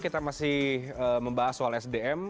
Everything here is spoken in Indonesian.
kita masih membahas soal sdm